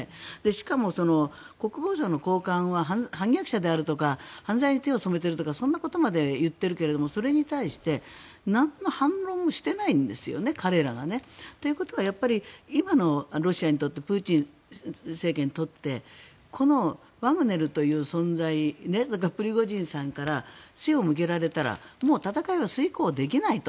しかも、国防省の高官は反逆者であるとか犯罪に手を染めているとかそんなことまで言っているけどそれに対してなんの反論もしてないんですよね、彼らが。ということは今のロシアにとってプーチン政権にとってこのワグネルという存在それからプリゴジンさんから背を向けられたらもう戦いは遂行できないと。